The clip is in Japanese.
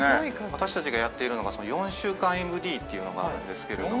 私たちがやっているのが４週間ＭＤっていうのがあるんですけれども。